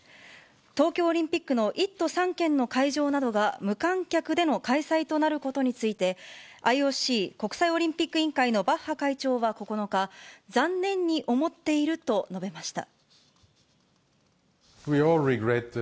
東京オリンピックの１都３県の会場などが無観客での開催となることについて、ＩＯＣ・国際オリンピック委員会のバッハ会長は９日、残念に思っていると述べました。